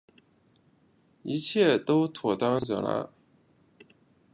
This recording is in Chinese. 一切都妥当惹拉